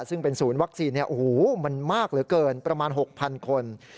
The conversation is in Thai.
ซึ่งเป็นศูนย์วัคซีนเนี่ยโอ้โหมันมากเหลือเกินประมาณหกพันคน